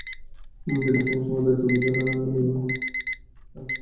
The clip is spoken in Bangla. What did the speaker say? তিনি সঙ্গে সঙ্গে দায়িত্ব বুঝে নেন এবং নিজ বাহিনীর প্রেরণা বাড়াতে থাকেন।